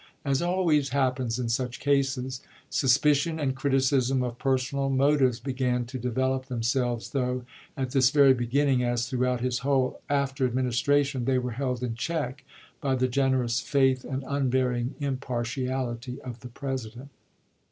As always happens in such cases, suspicion and criticism of personal motives began to de velop themselves, though, at this very beginning, as throughout his whole after administration, they were held in check by the generous faith and un varying impartiality of the President.